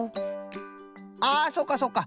ああそうかそうか。